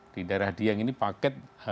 di daerah dieng ini paket